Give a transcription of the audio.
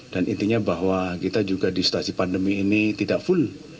dan intinya bahwa kita juga di stasi pandemi ini tidak full